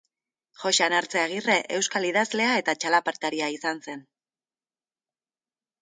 Joxan Artze Agirre euskal idazlea eta txalapartaria izan zen.